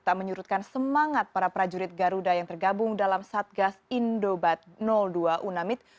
tak menyurutkan semangat para prajurit garuda yang tergabung dalam satgas indobat dua unamit